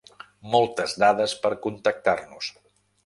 Moltes dades per contactar-nos.